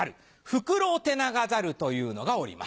フクロテナガザルというのがおります。